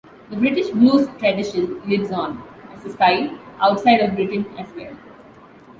The British blues tradition lives on, as a style, outside of Britain as well.